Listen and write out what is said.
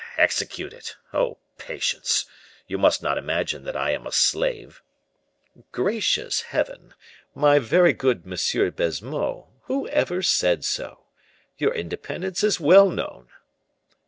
execute it! Oh, patience! You must not imagine that I am a slave." "Gracious Heaven! my very good M. Baisemeaux, who ever said so? Your independence is well known."